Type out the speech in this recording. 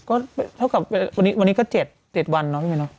วันที่๕ก็เท่ากับวันนี้ก็๗เด็ดวันเนอะรู้ไหมเนอะ